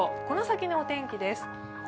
この先のお天気です。